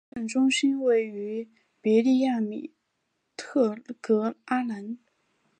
行政中心位于别利亚米特格阿兰。